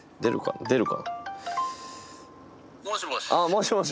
もしもし。